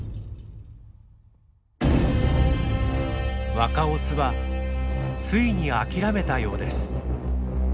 若オスはついに諦めたようです。